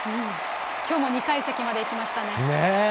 きょうも２階席までいきましたね。